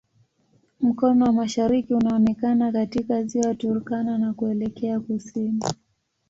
Mkono wa mashariki unaonekana katika Ziwa Turkana na kuelekea kusini.